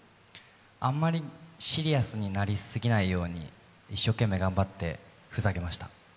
あまりシリアスになりすぎないように一生懸命頑張ってふざけました。